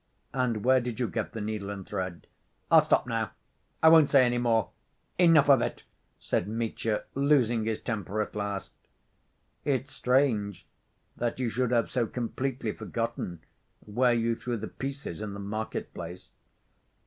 "And where did you get the needle and thread?" "I'll stop now. I won't say any more. Enough of it!" said Mitya, losing his temper at last. "It's strange that you should have so completely forgotten where you threw the pieces in the market‐place."